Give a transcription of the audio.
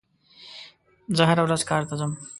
زه هره ورځ کار ته ځم.